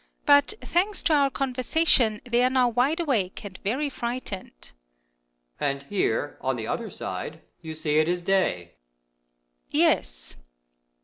But, thanks to our conversation, they are now wide awake, and very frightened.